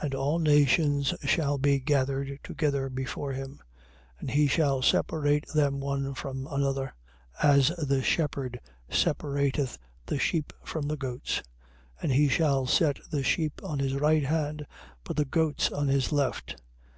25:32. And all nations shall be gathered together before him: and he shall separate them one from another, as the shepherd separateth the sheep from the goats: 25:33. And he shall set the sheep on his right hand, but the goats on his left.